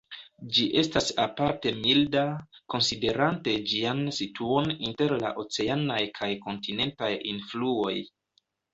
Ĝi estas aparte milda, konsiderante ĝian situon inter la oceanaj kaj kontinentaj influoj.